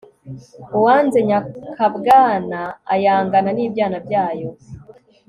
uwanze nyakabwana ayangana n'ibyana byayo